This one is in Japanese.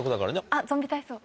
あっゾンビ体操。